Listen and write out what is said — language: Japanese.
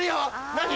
何？